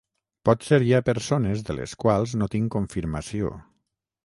Potser hi ha persones de les quals no tinc confirmació.